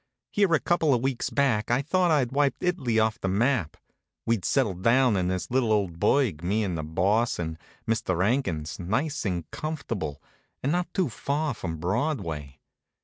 Here a couple of weeks back I thought I'd wiped It'ly off the map. We'd settled down in this little old burg, me and the Boss and Mister 'Ankins, nice and comfortable, and not too far from Broadway.